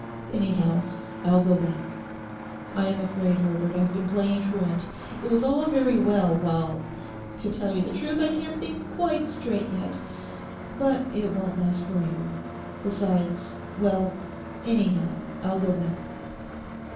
'Anyhow, I'll go back. I am afraid, Herbert, I've been playing truant. It was all very well while—To tell you the truth I can't think quite straight yet. But it won't last for ever. Besides—well, anyhow, I'll go back.